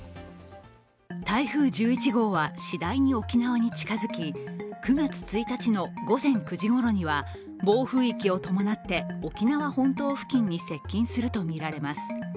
台風１１号は、次第に沖縄に近づき９月１日の午前９時ごろには暴風域を伴って沖縄本島付近に接近するとみられます。